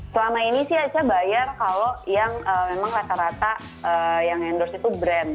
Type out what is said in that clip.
selama ini sih aca bayar kalau yang memang rata rata yang endorse itu brand